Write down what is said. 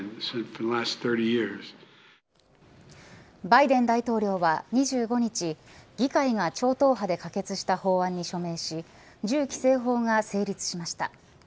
バイデン大統領は２５日議会が超党派で可決した法案に署名し銃規制法が成立しました。